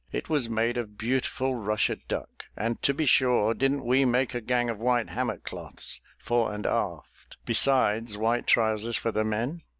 It was made of beautiful Russia duck, and to be sure, didn't we make a gang of white hammock cloths, fore and aft, besides white trousers for the men?